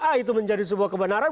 ah itu menjadi sebuah kebenaran